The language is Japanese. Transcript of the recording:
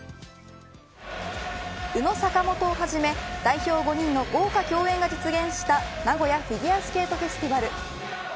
宇野、坂本をはじめ代表５人の豪華共演が実現した名古屋フィギュアスケートフェスティバル。